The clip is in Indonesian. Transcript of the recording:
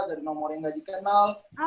dari nomor yang gak dikenal